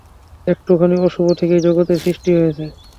একটুখানি অশুভ থেকেই জগতের সৃষ্টি হয়েছে।